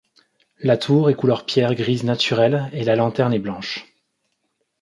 La tour est couleur pierre grise naturelle et la lanterne est blanche.